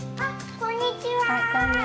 こんにちは。